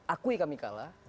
akui kami kalah